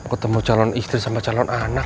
ketemu calon istri sama calon anak